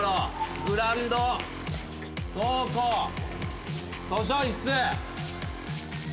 グラウンド倉庫図書室。